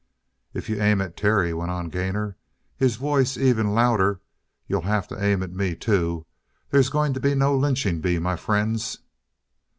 "If you aim at Terry," went on Gainor, his voice even louder, "you'll have to aim at me, too. There's going to be no lynching bee, my friends!"